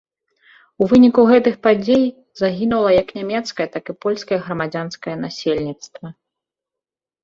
У выніку гэтых падзей загінула як нямецкае, так і польскае грамадзянскае насельніцтва.